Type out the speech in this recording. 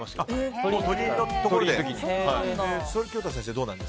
鳥居のところで。